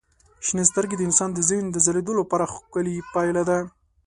شنې سترګې د انسان د ذهن د ځلېدو لپاره ښکلي پایله ده.